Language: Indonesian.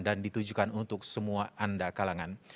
dan ditujukan untuk semua anda kalangan